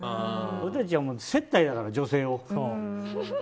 俺たちは接待だから、女性を。